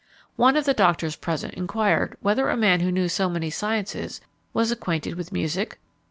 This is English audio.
One of the doctors present inquired whether a man who knew so many sciences was acquainted with music?